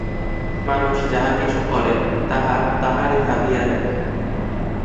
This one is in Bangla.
মানুষ যাহা কিছু করে, তাহা তাহারই থাকিয়া যায়।